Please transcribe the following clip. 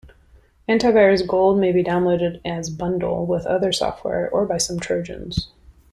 AntiVirus Gold may be downloaded as bundle with other software or by some trojans.